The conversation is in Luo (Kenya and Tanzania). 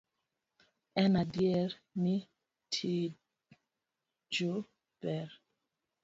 En adier ni tiju ber.